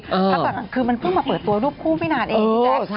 ถ้าคือมันเพิ่งมาเปิดตัวรูปคู่ไม่นานเองจ๊ะ